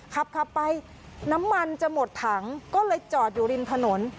ขับไปน้ำมันจะหมดถังก็เลยจอดอยู่ริมถนน